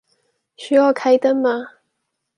需要開燈嗎